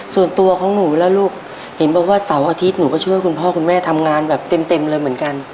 ส่วนตัวของหนูล่ะลูกเห็นบอกว่าเสาร์อาทิตย์หนูก็ช่วยคุณพ่อคุณแม่ทำงานแบบเต็มเลยเหมือนกัน